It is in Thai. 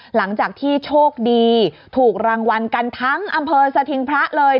หลังจากที่โชคดีถูกรางวัลกันทั้งอำเภอสถิงพระเลย